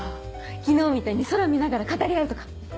昨日みたいに空見ながら語り合うとか？